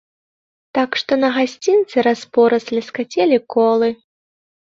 Так што на гасцінцы раз-пораз ляскацелі колы.